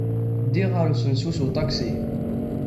Ddiɣ ɣer usensu s uṭaksi.